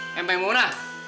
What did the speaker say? emang yang murah